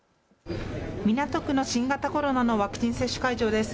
港区の新型コロナのワクチン接種会場です。